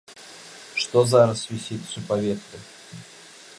Што зараз вісіць у паветры?